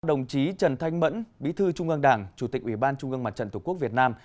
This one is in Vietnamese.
đồng chí trần thanh mẫn bí thư trung ương đảng chủ tịch ủy ban trung ương mặt trận tổ quốc việt nam